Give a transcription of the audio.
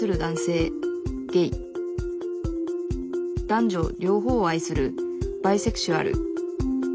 男女両方を愛するバイセクシュアル。